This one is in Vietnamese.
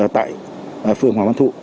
tại phường hoàng văn thụ